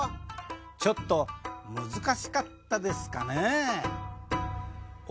ちょっと難しかったですかね？